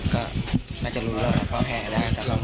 ก็น่าจะรู้แล้วแข่แดดสักมาก